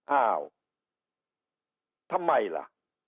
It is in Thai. เอ่าทำไมล่ะ